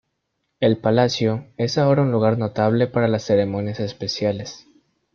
El palacio es ahora un lugar notable para las ceremonias especiales.